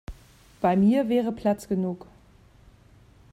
Bei mir wäre Platz genug.